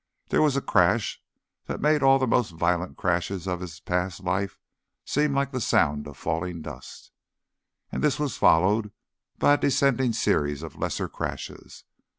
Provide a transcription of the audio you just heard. There was a crash that made all the most violent crashes of his past life seem like the sound of falling dust, and this was followed by a descending series of lesser crashes.